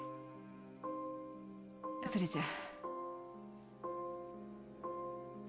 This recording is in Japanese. それじゃ。